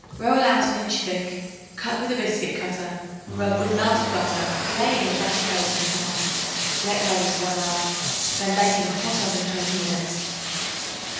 Roll out an inch thick; cut with a biscuit cutter; rub with melted butter; lay in a buttered baking pan; let raise one hour; then bake in a hot oven twenty minutes.